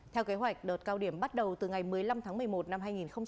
theo kế hoạch đợt cao điểm bắt đầu từ ngày một mươi năm tháng một mươi một năm hai nghìn hai mươi